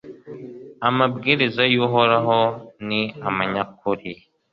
amabwiriza y'uhoraho ni amanyakuri